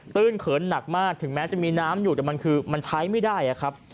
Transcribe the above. ื้นเขินหนักมากถึงแม้จะมีน้ำอยู่แต่มันคือมันใช้ไม่ได้ครับ